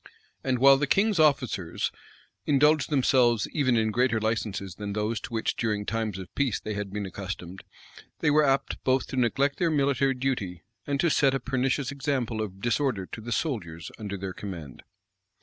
And while the king's officers indulged themselves even in greater licenses than those to which during times of peace they had been accustomed, they were apt both to neglect their military duty, and to set a pernicious example of disorder to the soldiers under their command.